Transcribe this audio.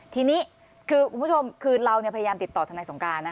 ทีนี้คือคุณผู้ชมคือเราเนี่ยพยายามติดต่อธนัยสงการนะคะ